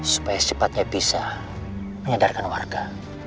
supaya secepatnya bisa menyadarkan warga